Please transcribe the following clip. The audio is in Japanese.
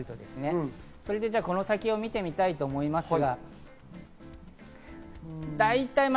この先を見てみたいと思いますが。